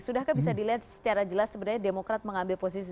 sudahkah bisa dilihat secara jelas sebenarnya demokrat mengambil posisi